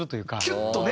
キュッとね。